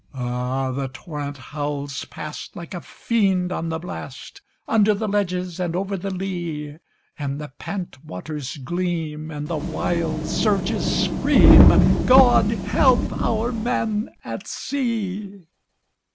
Ah! the torrent howls past, like a fiend on the blast, Under the ledges and over the lea; And the pent waters gleam, and the wild surges scream God help our men at sea!